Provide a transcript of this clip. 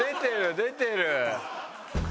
出てる。